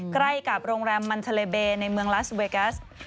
ใกล้กับโรงแรมมันทะเลเบในเมืองลาสเวกัส